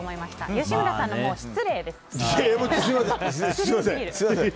吉村さんのはもう、失礼です。